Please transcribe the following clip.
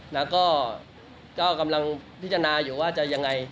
แล้วก็กำลังพิจารณาอยู่ว่าจะยังไง